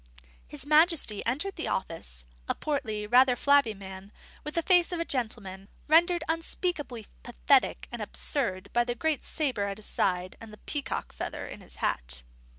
His Majesty entered the office a portly, rather flabby man, with the face of a gentleman, rendered unspeakably pathetic and absurd by the great sabre at his side and the peacock's feather in his hat.